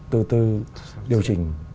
từ từ điều chỉnh